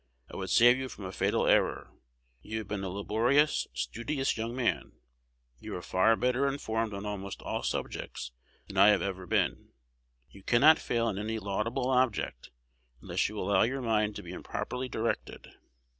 I would save you from a fatal error. You have been a laborious, studious young man. You are far better informed on almost all subjects than I have ever been. You cannot fail in any laudable object, unless you allow your mind to be improperly directed.